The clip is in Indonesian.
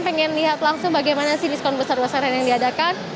pengen lihat langsung bagaimana sih diskon besar besaran yang diadakan